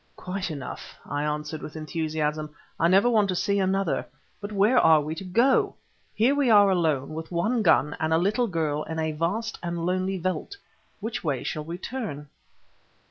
"Quite enough," I answered, with enthusiasm; "I never want to see another; but where are we to go? Here we are alone with one gun and a little girl in the vast and lonely veldt. Which way shall we turn?"